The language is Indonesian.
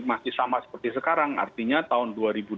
masih sama seperti sekarang artinya tahun